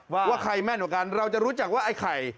ว่าว่าใครแม่นกว่ากันเราจะรู้จักว่าไอ้ไข่